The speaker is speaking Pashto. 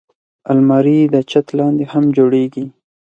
الماري د چت لاندې هم جوړېږي